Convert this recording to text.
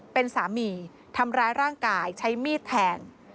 เป็นสามีทำร้ายร่างกายใช้มีดแทง